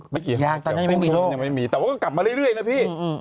ยากตอนนั้นยังไม่มีโรคยังไม่มีแต่ว่าก็กลับมาเรื่อยเรื่อยนะพี่